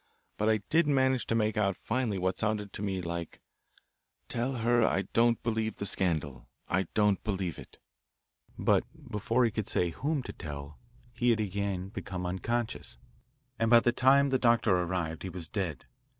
But I did manage to make out finally what sounded to me like, 'Tell her I don't believe the scandal, I don't believe it.' But before he could say whom to tell he had again become unconscious, and by the time the doctor arrived he was dead.